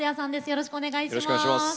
よろしくお願いします。